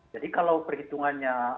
jadi kalau perhitungannya